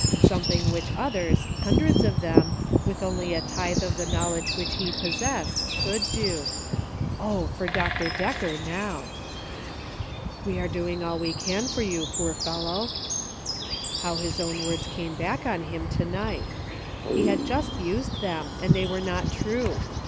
Something which others, hundreds of them, with only a tithe of the knowledge which he possessed, could do. O, for Dr. Decker now !" We are doing all we can for you, poor fellow !" How his own words came back on him to night ! He had just used them, and they were not true.